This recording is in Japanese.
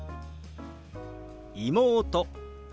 「妹」。